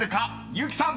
結木さん］